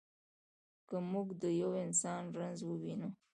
که موږ د یوه انسان رنځ ووینو.